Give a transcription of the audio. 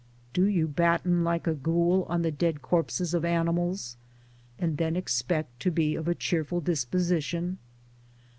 Do you batten like a ghoul on the dead corpses of animals, and then expect to be of a cheerful disposition?